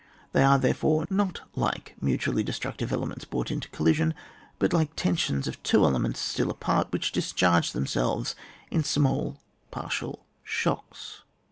They are, there fore, not like mutually destructive ele ments brought into collision, but like tensions of two elements still apart which discharge themselves in small paurtial shocks.